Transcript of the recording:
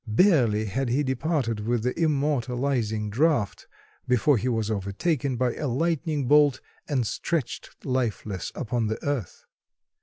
Barely had he departed with the immortalizing draught before he was overtaken by a lightning bolt and stretched lifeless upon the earth.